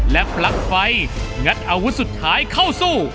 และปลั๊กไฟงัดอาวุธสุดท้ายเข้าสู้